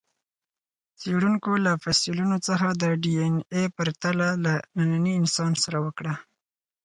څېړونکو له فسیلونو څخه د ډياېناې پرتله له ننني انسان سره وکړه.